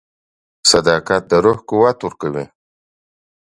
• صداقت د روح قوت ورکوي.